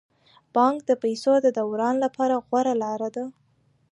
بانک د پيسو د دوران لپاره غوره لاره ده.